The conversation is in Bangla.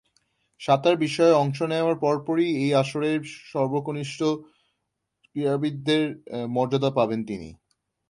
সাঁতার বিষয়ে অংশ নেয়ার পরপরই এ আসরের সর্বকনিষ্ঠ ক্রীড়াবিদের মর্যাদা পাবেন তিনি।